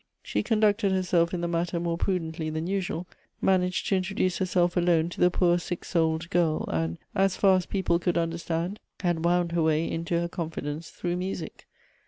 She conducted herself in the matter more prudently than usual, managed to introduce herself alone to the poor sick souled girl, and, as far as people could understand, had wound her way into her confidence through music.